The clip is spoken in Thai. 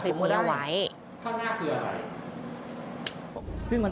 ภาษาโรงงานเวลาที่๕นี่